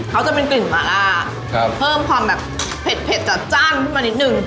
เขาจะเป็นกลิ่นมาล่าเพิ่มความแบบเผ็ดจัดจ้านขึ้นมานิดนึง